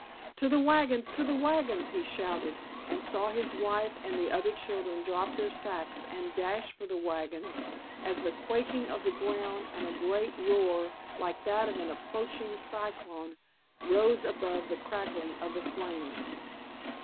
"To the wagons, to the wagons!" he shouted, and saw his wife and the other children drop their sacks and dash for the wagons as the quaking of the ground and a great roar like that of an approaching cyclone rose above the crackling of the flames.